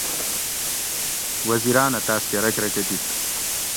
وزیراۤن اۤ تاۤس کہ رۤک رکہۤ دِت